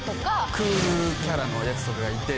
クールキャラの奴とかがいて。